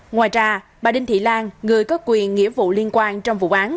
ngoài ra bà đinh thị lan người có quyền nghĩa vụ liên quan trong vụ án